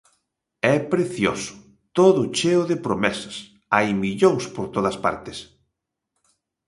É precioso, todo cheo de promesas, hai millóns por todas partes.